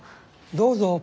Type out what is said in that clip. どうぞ？